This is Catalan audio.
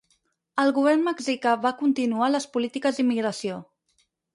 El Govern mexicà va continuar les polítiques d'immigració.